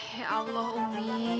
ya allah umi